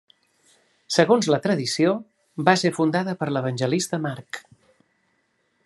Segons la tradició, va ser fundada per l'evangelista Marc.